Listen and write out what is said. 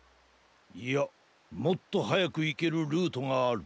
いやもっとはやくいけるルートがある。